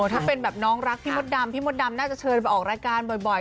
ถ้าเป็นแบบน้องรักพี่มดดำพี่มดดำน่าจะเชิญไปออกรายการบ่อย